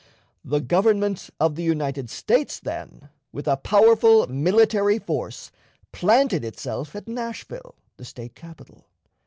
The Government of the United States, then, with a powerful military force, planted itself at Nashville, the State capital.